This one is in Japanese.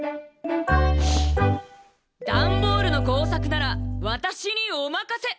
ダンボールのこうさくならわたしにおまかせ！